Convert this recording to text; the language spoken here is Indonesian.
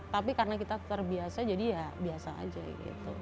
tapi karena kita terbiasa jadi ya biasa aja gitu